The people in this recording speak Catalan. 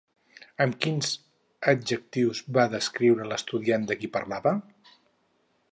Amb quins adjectius va descriure l'estudiant de qui parlava?